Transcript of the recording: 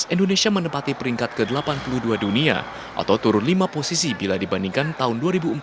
indonesia menempati peringkat ke delapan puluh dua dunia atau turun lima posisi bila dibandingkan tahun dua ribu empat belas